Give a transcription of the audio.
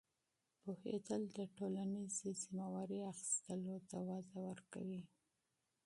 پوهېدل د ټولنیزې مسؤلیت اخیستلو ته وده ورکوي.